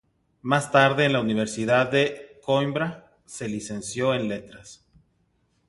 Más tarde, en la Universidad de Coímbra se licenció en Letras.